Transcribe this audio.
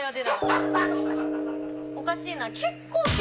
おかしいな。